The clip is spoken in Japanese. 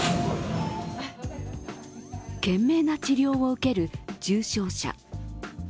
懸命な治療を受ける重症者。